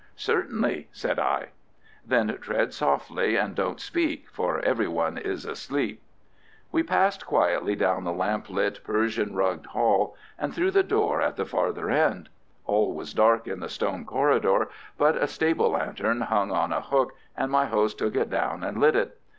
"Certainly," said I. "Then tread softly and don't speak, for every one is asleep." We passed quietly down the lamp lit Persian rugged hall, and through the door at the farther end. All was dark in the stone corridor, but a stable lantern hung on a hook, and my host took it down and lit it.